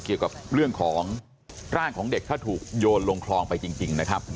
เกี่ยวกับเรื่องของร่างของเด็กถ้าถูกโยนลงคลองไปจริงนะครับ